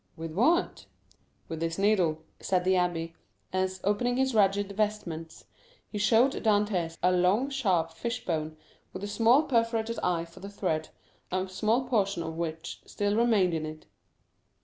"With what?" "With this needle," said the abbé, as, opening his ragged vestments, he showed Dantès a long, sharp fish bone, with a small perforated eye for the thread, a small portion of which still remained in it.